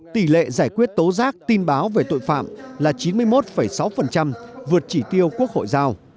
tỷ lệ giải quyết tố giác tin báo về tội phạm là chín mươi một sáu vượt chỉ tiêu quốc hội giao